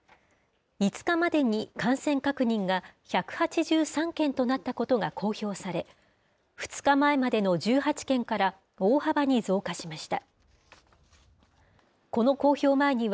５日までに感染確認が１８３件となったことが公表され、２日前までの１８件から大幅に増加しました。